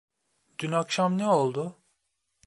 Dün akşam ne oldu?